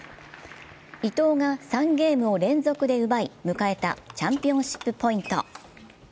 伊藤が３ゲームを連続で奪い迎えたチャンピオンシップポイント。